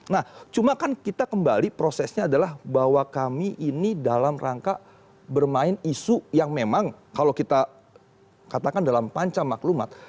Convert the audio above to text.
nah cuma kan kita kembali prosesnya adalah bahwa kami ini dalam rangka bermain isu yang memang kalau kita katakan dalam panca maklumat